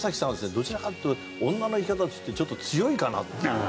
どちらかというと女の生き方としてちょっと強いかなという。